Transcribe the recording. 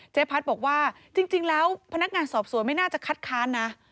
พัฒน์บอกว่าจริงแล้วพนักงานสอบสวนไม่น่าจะคัดค้านนะ